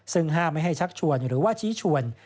ซึ่งห้ามไม่ให้ชักชวนหรือว่าชี้ชวน